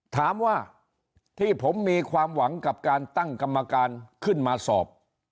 ถามว่าที่ผมมีความหวังกับการตั้งกรรมการขึ้นมาสอบ